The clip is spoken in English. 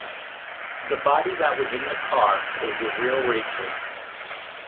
The body that was in the car was the real Rachael.